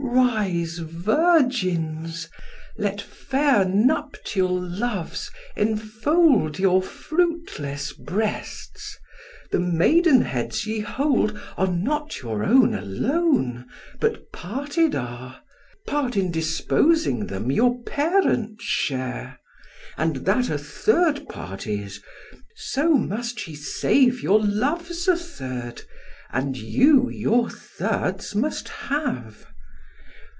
Rise, virgins! let fair nuptial loves enfold Your fruitless breasts: the maidenheads ye hold Are not your own alone, but parted are; Part in disposing them your parents share, And that a third part is; so must ye save Your loves a third, and you your thirds must have.